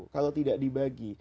kalau tidak dibagi